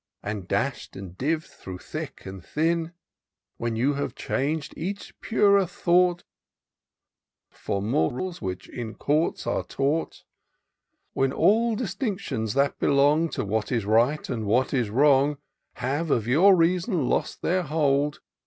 And dash'd and div'd through thick and thin ; When you have chang'd each purer thought For morals which in courts are taught ; When all distinctions, that belong To what is right and what is wrong, Have of your reason lost their hold.